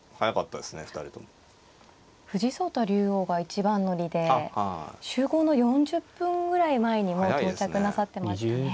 竜王が一番乗りで集合の４０分ぐらい前にもう到着なさってましたね。